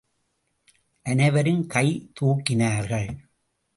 அனைவரும் கை தூக்கினார்கள்.